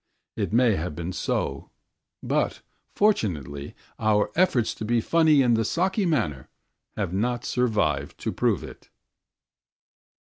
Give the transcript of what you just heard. It may have been so; but, fortunately, our efforts to be funny in the Saki manner have not survived to prove it.